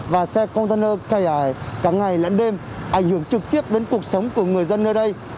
và xe container chạy cả ngày lẫn đêm ảnh hưởng trực tiếp đến cuộc sống của người dân nơi đây